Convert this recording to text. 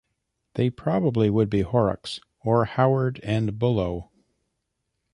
They probably would be Horrocks, or Howard and Bullough.